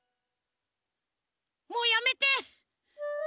もうやめて！